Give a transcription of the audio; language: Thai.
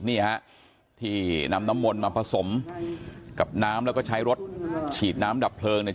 นี่ฮะที่นำน้ำมนต์มาผสมกับน้ำแล้วก็ใช้รถฉีดน้ำดับเพลิงเนี่ย